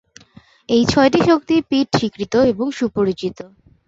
এই ছয়টি শক্তি পিঠ স্বীকৃত এবং সুপরিচিত।